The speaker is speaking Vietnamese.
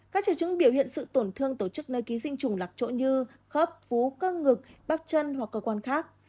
các triệu chứng biểu hiện sự tổn thương tổ chức nơi ký sinh chủng lạc chỗ như khớp phú cơ ngực bắp chân hoặc cơ quan khác